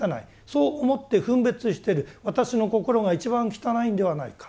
そう思って分別してる私の心が一番汚いんではないか？